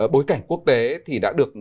bối cảnh quốc tế đã được